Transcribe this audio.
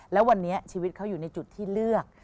แล้ววันนี้ชีวิตเขาอยู่ในจุดที่เลือก